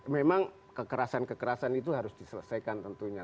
memang kekerasan kekerasan itu harus diselesaikan tentunya